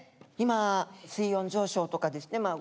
今水温上昇とかですね